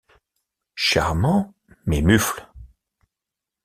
Charmant mais mufle...